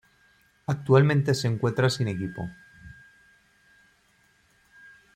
Actualmente se encuentra sin equipo.